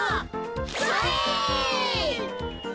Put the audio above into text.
それ。